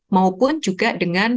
maupun juga dengan lrt